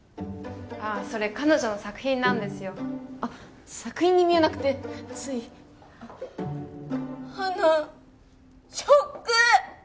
ああそれ彼女の作品なんですよあっ作品に見えなくてついハナショック！